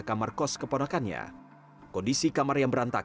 kan kita nggak ada yang tahu